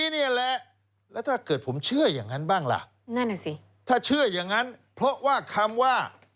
ละแล้วเกิดผมเชื่ออย่างนั้นบ้างว่า